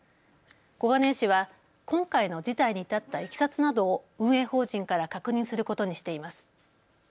小金井市は今回の事態に至ったいきさつなどを運営法人から確認することにしています。